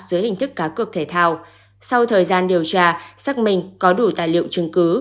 dưới hình thức cá cược thể thao sau thời gian điều tra xác minh có đủ tài liệu chứng cứ